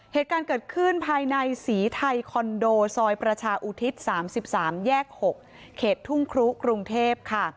เหตุการณ์เกิดขึ้นภายในศรีไทยคอนโดซอยประชาอุทิศ๓๓แยก๖เขตทุ่งครุกรุงเทพค่ะ